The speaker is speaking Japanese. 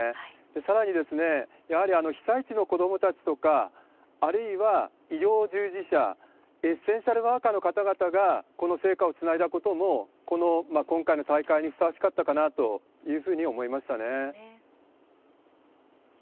さらに、やはり被災地の子どもたちとか、あるいは医療従事者、エッセンシャルワーカーの方々がこの聖火をつないだことも、この今回の大会にふさわしかったかなというふうに思いましたね。